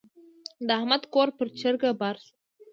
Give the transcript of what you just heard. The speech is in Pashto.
د احمد کور پر چرګه بار شو.